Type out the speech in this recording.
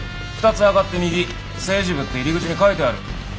２つ上がって右「政治部」って入り口に書いてある。